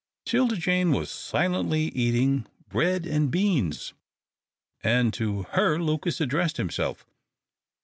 'Tilda Jane was silently eating bread and beans, and to her Lucas addressed himself.